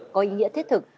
có ý nghĩa thiết thực